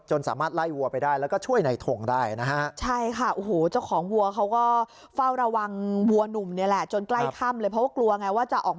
สามารถไล่วัวไปได้แล้วก็ช่วยในทงได้นะฮะ